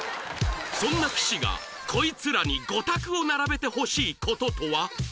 そんな岸がこいつらにゴタクを並べてほしいこととは？